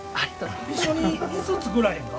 一緒に椅子作らへんか？